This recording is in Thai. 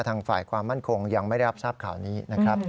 ทางฝ่ายความมั่นคงยังไม่ได้รับทราบข่าวนี้นะครับ